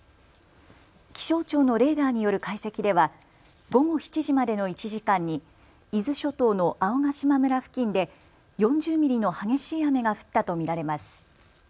気象庁のレーダーによる解析では午後７時までの１時間に伊豆諸島の青ヶ島村付近で４０ミリの激しい雨が降ったと見られます。